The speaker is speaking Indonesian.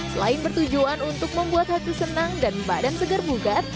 selain bertujuan untuk membuat hati senang dan badan segar bugar